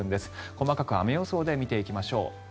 細かく雨予想で見ていきましょう。